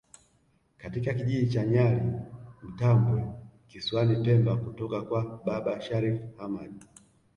katika kijiji cha Nyali Mtambwe kisiwani pemba kutoka kwa baba Sharif Hamad